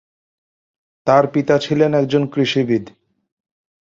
তার পিতা ছিলেন একজন কৃষিবিদ।